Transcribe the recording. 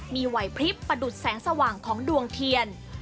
มีไหวพลิบประดุษแสงสว่างของดวงเทียน